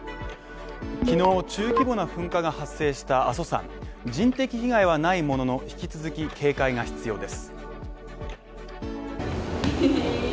昨日中規模な噴火が発生した阿蘇山人的被害はないものの、引き続き警戒が必要です。